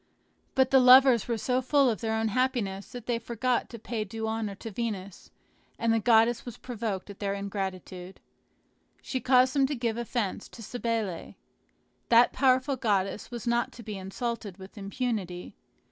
But the lovers were so full of their own happiness that they forgot to pay due honor to Venus; and the goddess was provoked at their ingratitude. She caused them to give offence to Cybele. That powerful goddess was not to be insulted with impunity.